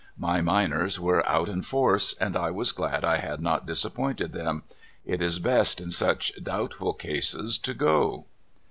My miners were out in force, and I was glad I had not disappointed them. It is best in such doubtful cases to go.